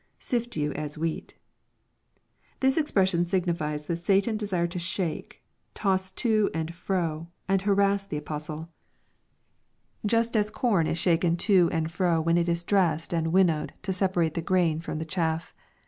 [Sift you as wheat] This expression signifies that Sataii doaired to shake, toss to and fro, and harass the apostle, just liUKE^ CHAP. XXII. 415 as corn is shaken to and fro when it i^ dressed and wmuowed, to separate the grain from the chaff.